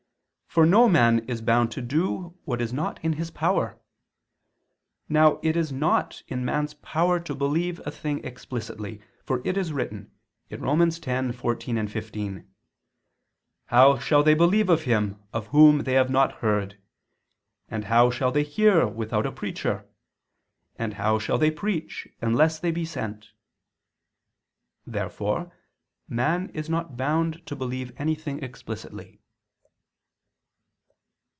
For no man is bound to do what is not in his power. Now it is not in man's power to believe a thing explicitly, for it is written (Rom. 10:14, 15): "How shall they believe Him, of whom they have not heard? And how shall they hear without a preacher? And how shall they preach unless they be sent?" Therefore man is not bound to believe anything explicitly.